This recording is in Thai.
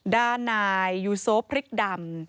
ด้านนายยูโซพริกดำ